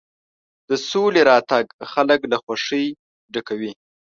د سولې راتګ خلک له خوښۍ ډکوي.